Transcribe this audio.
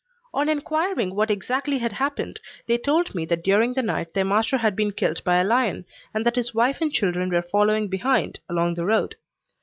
On enquiring what exactly had happened, they told me that during the night their master had been killed by a lion, and that his wife and children were following behind, along the road.